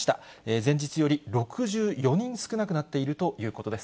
前日より６４人少なくなっているということです。